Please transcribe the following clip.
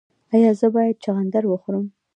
ایا زه باید چغندر وخورم؟